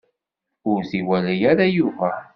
Ur t-iwala ara Yuba.